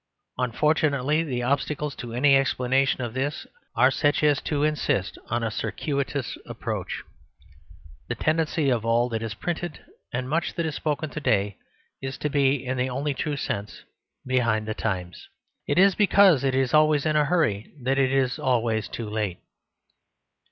Unfortunately, the obstacles to any explanation of this are such as to insist on a circuitous approach. The tendency of all that is printed and much that is spoken to day is to be, in the only true sense, behind the times. It is because it is always in a hurry that it is always too late.